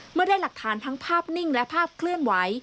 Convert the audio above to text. เมื่อได้หลักฐานทั้งภาพนิ่งและภาพเคลื่อนไหว